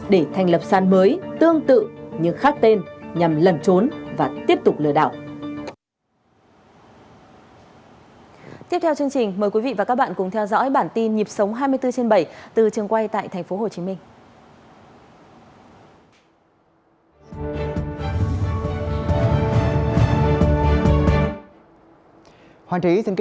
để thành lập sàn mới tương tự nhưng khác tên nhằm lẩn trốn và tiếp tục lừa đảo